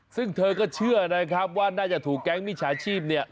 ซึ่งเธอก็เชื่อนะครับว่าน่าจะถูกแก๊งมิจฉาชีพเนี่ย